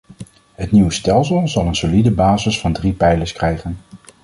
Het nieuwe stelsel zal een solide basis van drie pijlers krijgen.